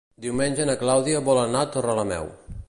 Diumenge na Clàudia vol anar a Torrelameu.